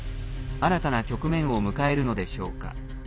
新たな局面を迎えるのでしょうか。